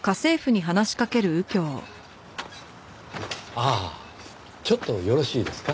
ああちょっとよろしいですか？